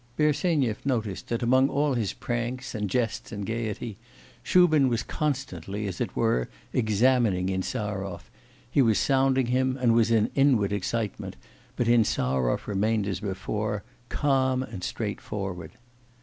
Bersenyev noticed that among all his pranks, and jests and gaiety, Shubin was constantly, as it were, examining Insarov; he was sounding him and was in inward excitement, but Insarov remained as before, calm and straightforward.